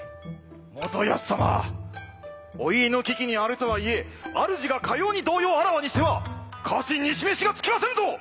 元康様お家の危機にあるとはいえあるじがかように動揺をあらわにしては家臣に示しがつきませぬぞ！